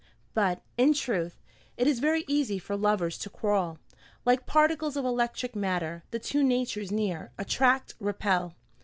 But, in truth, it is very easy for lovers to quarrel. Like particles of electric matter, the two natures near, attract, repel.